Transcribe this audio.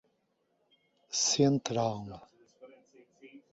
Central